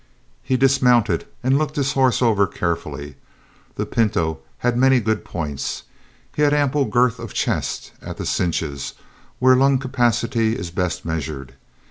He dismounted and looked his horse over carefully. The pinto had many good points. He had ample girth of chest at the cinches, where lung capacity is best measured.